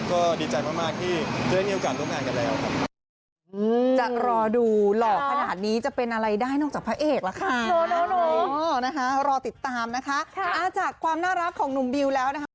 ก็ดีใจมากที่ได้มีโอกาสร่วมงานกันแล้วครับ